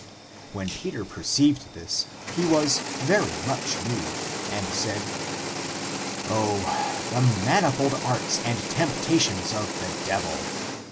When Peter perceived this, he was very much moved, and said, " O, the manifold arts and temptations of the devil